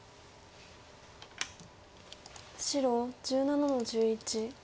白１７の十一。